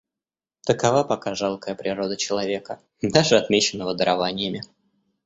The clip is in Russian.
Такова пока жалкая природа человека, даже отмеченного дарованиями.